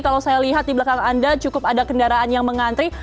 kalau saya lihat di belakang anda cukup ada kendaraan yang mengantri